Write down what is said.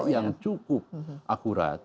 yang cukup akurat